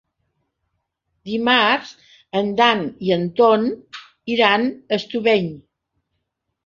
Dimarts en Dan i en Ton iran a Estubeny.